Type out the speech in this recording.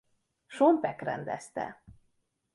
Sean Pack rendezte.